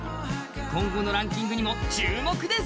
今後のランキングにも注目です。